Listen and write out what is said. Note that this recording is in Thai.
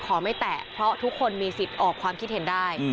ขอไม่แตะเพราะทุกคนมีสิทธิ์ออกความคิดเห็นได้